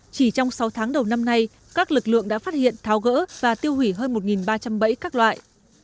chỉ trong sáu tháng đầu năm nay các lực lượng đã phát hiện tháo gỡ và tiêu hủy hơn một ba trăm linh bẫy các loại